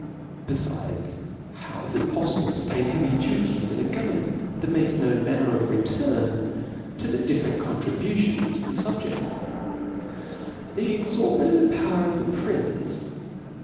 Befides, how is it poflible to pay heavy duties in a government that makes no manner of return to the different contri butions of the fubjed I The exorbitant power of the prince, and.